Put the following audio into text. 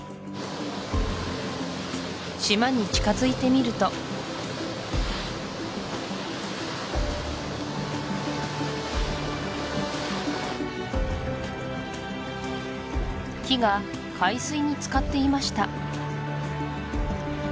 島に近づいてみると木が海水につかっていました